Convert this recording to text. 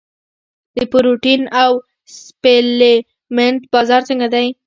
د پروټین او سپلیمنټ بازار څنګه دی؟